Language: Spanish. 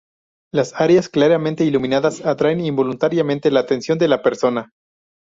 Las áreas claramente iluminadas atraen involuntariamente la atención de la persona.